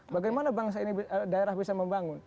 bagaimana daerah bisa membangun